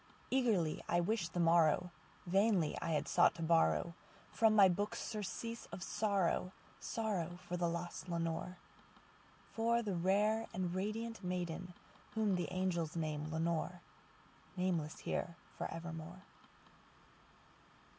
Eagerly I wished the morrow;—vainly I had sought to borrowFrom my books surcease of sorrow—sorrow for the lost Lenore, For the rare and radiant maiden whom the angels name Lenore:Nameless here for evermore.